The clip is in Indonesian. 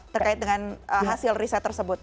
terkait dengan hasil riset tersebut